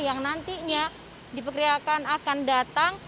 yang nantinya diperkirakan akan datang